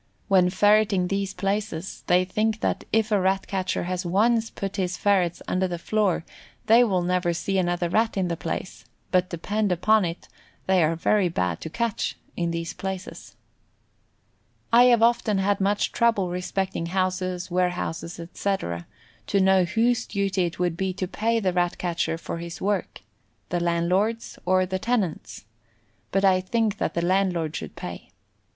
When ferreting these places they think that if a Rat catcher has once put his ferrets under the floor they will never see another Rat in the place; but depend upon it they are very bad to catch in these places. I have often had much trouble respecting houses, warehouses, etc., to know whose duty it would be to pay the Rat catcher for his work, the landlord's or the tenant's, but I think that the landlord should pay.